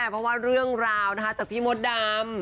เพราะว่าเรื่องราวจากพี่มดดำ